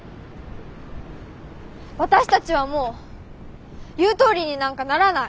私たちはもう言うとおりになんかならない。